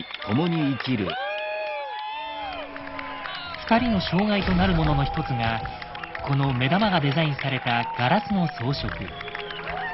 ２人の障害となるものの一つがこの目玉がデザインされたガラスの装飾。